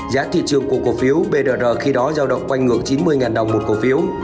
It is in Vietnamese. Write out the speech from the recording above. giá thị trường của cổ phiếu bdr khi đó giao đợt quanh ngược chín mươi đồng một cổ phiếu